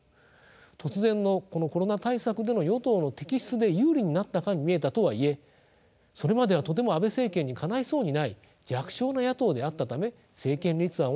突然のこのコロナ対策での与党の敵失で有利になったかに見えたとはいえそれまではとても安倍政権にかないそうにない弱小な野党であったため政策立案を怠っていたように見えます。